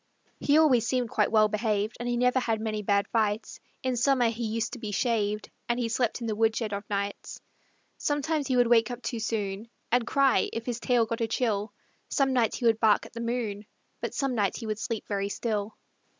He always seemed quite well behaved, And he never had many bad fights; In summer he used to be shaved And he slept in the woodshed o' nights. Sometimes he would wake up too soon And cry, if his tail got a chill; Some nights he would bark at the moon, But some nights he would sleep very still.